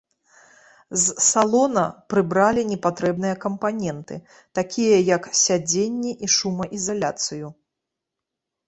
З салона прыбралі непатрэбныя кампаненты, такія як сядзенні і шумаізаляцыю.